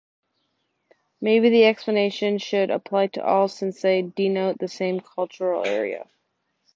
Maybe the explanation should apply to all since they denote the same cultural area.